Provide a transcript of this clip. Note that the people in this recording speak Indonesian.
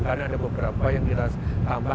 karena ada beberapa yang kita tambah